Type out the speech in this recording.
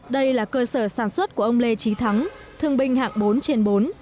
đây là cơ sở sản xuất của ông lê trí thắng thương binh hạng bốn trên bốn